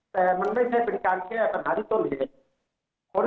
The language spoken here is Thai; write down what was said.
แต่มันไม่ใช่เป็นการแก้ปัญหาที่ต้นเหตุ